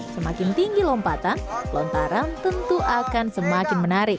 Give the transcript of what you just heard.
semakin tinggi lompatan lontaran tentu akan semakin menarik